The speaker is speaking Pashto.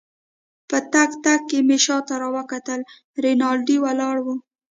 په تګ تګ کې مې شاته راوکتل، رینالډي ولاړ وو.